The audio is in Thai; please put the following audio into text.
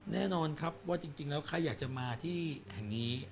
แน่นอนครับว่าจริงแล้วใครอยากจะมาที่แห่งนี้